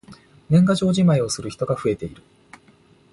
年賀状じまいをする人が増えている。